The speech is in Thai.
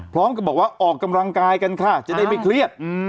พร้อมกับบอกว่าออกกำลังกายกันค่ะจะได้ไม่เครียด